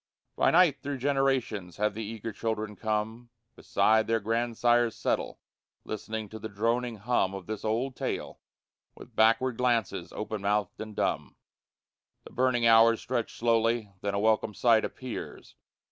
By night, through generations, have the eager children come Beside their grandsire's settle, listening to the droning hum Of this old tale, with backward glances, open mouthed and dumb. The burning hours stretch slowly then a welcome sight appears!